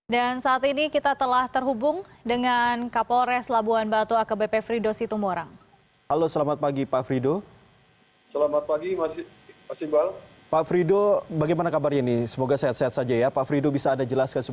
dan saat ini kabit humas poldasu rinaginti menyatakan diduga kapal speedboat itu tenggelam setelah menabrak tunggul kayu